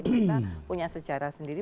kita punya sejarah sendiri